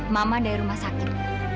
mama dari rumah sakit